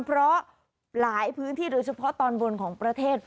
เพราะหลายพื้นที่โดยเฉพาะตอนบนของประเทศ